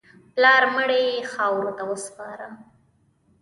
پلار مړی یې خاورو ته وسپاره.